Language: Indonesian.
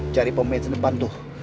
cari pembezin depan tuh